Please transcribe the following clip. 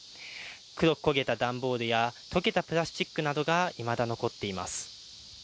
黒く焦げた段ボールや溶けたプラスチックなどがいまだ残っています。